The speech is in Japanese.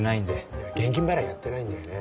いや現金払いやってないんだよね。